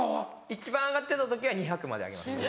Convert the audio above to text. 一番挙がってた時は２００まで挙げました。